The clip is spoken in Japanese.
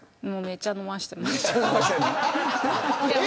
めっちゃ飲ませてます。